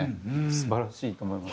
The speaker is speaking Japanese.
素晴らしいと思います。